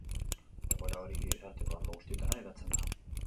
Egoera hori gizarteko arlo guztietara hedatzen da.